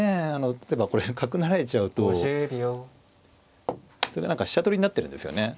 例えばこれ角成られちゃうとこれが何か飛車取りになってるんですよね。